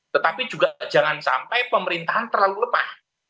tetapi juga jangan sampai pemerintahan terlalu lemah